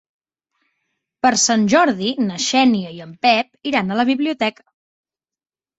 Per Sant Jordi na Xènia i en Pep iran a la biblioteca.